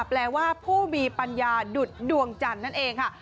แปลว่าผู้มีปัญญาดุดดวงจันทร์นั่นเองค่ะ